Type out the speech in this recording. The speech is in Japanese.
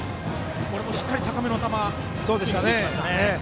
これもしっかり高めの球を打ちましたね。